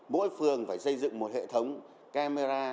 mỗi phường phải xây dựng một hệ thống camera